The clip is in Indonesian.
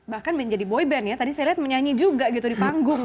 bahkan menjadi boy band ya tadi saya lihat menyanyi juga gitu di panggung